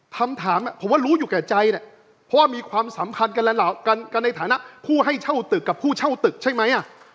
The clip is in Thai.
ผมว่ารู้อยู่ใจมีความสำคัญกันในฐานะผู้ให้เช่าตึกกับผู้เช่าตึกใช่ไหม